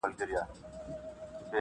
بله چي وي راز د زندګۍ لري-